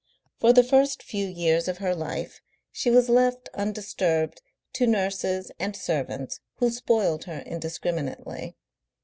For the first few years of her life she was left undisturbed to nurses and servants who spoiled her indiscriminately.